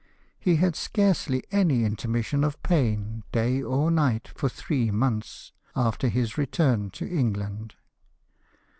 He had scarcely any intermission of pain, day or night, for three months after his return to England.